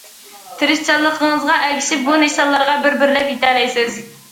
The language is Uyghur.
تىرىشچانلىقىڭىزغا ئەگىشىپ بۇ نىشانلارغا بىر- بىرلەپ يېتەلەيسىز.